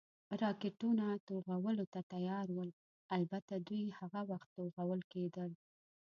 راکټونه، توغولو ته تیار ول، البته دوی هغه وخت توغول کېدل.